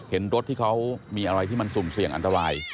เห็นรถที่เขามีอะไรที่มันสุ่มเสี่ยงอันตราย